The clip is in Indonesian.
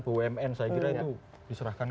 bumn saya kira itu diserahkan